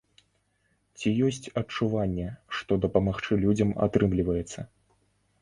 Ці ёсць адчуванне, што дапамагчы людзям атрымліваецца?